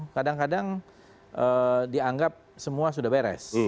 kadang kadang dianggap semua sudah beres